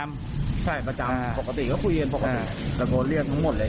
ที่กระยองไอ้นี่แสดง